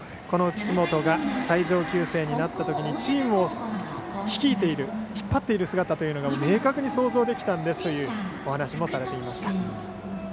この岸本が最上級生になったときにチームを率いている引っ張っている姿が明確に想像できたんですというお話をされていました。